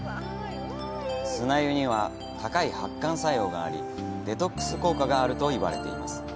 砂湯には高い発汗作用がありデトックス効果があるといわれています。